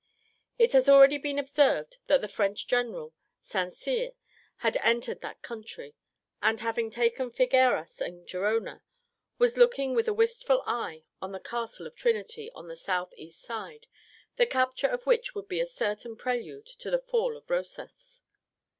It has already been observed that the French general, St Cyr, had entered that country, and, having taken Figueras and Gerona, was looking with a wistful eye on the castle of Trinity, on the south east side, the capture of which would be a certain prelude to the fall of Rosas.